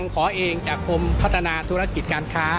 ขอเองจากกรมพัฒนาธุรกิจการค้า